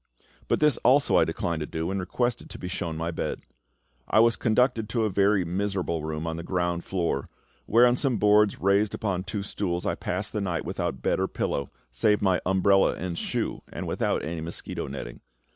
But this also I declined to do, and requested to be shown my bed. I was conducted to a very miserable room on the ground floor, where, on some boards raised upon two stools, I passed the night, without bed or pillow, save my umbrella and shoe, and without any mosquito netting.